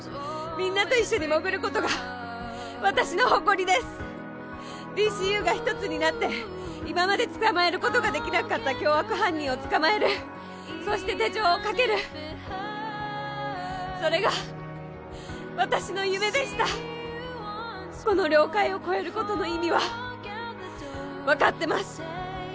みんなと一緒に潜ることが私の誇りですＤＣＵがひとつになって今まで捕まえることができなかった凶悪犯人を捕まえるそして手錠をかけるそれが私の夢でしたこの領海を越えることの意味は分かってます